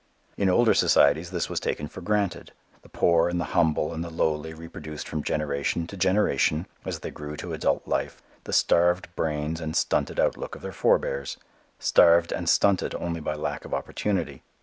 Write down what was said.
In older societies this was taken for granted: the poor and the humble and the lowly reproduced from generation to generation, as they grew to adult life, the starved brains and stunted outlook of their forbears, starved and stunted only by lack of opportunity.